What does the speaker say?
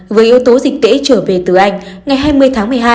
với yếu tố dịch tễ trở về từ anh ngày hai mươi tháng một mươi hai